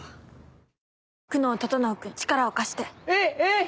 「久能整君力を貸して」「えっ？えっ？」